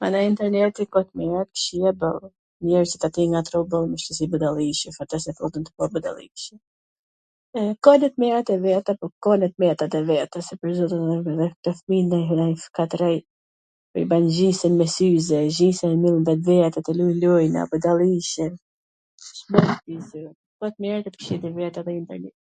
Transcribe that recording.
Mana interneti ka t mira e t kqija boll, ... budalliqe, tu bo budalliqe, ka edhe t mirat e veta po ka ene t metat e veta se pwr zotin edhe kta fmij nonj her se kat t rrejn, i ban gjysma me syze, gjysma jan mbyll n vetvete, tu lu lojna, budalliqe, ka t mirat e t kqijat e veta edhe interneti.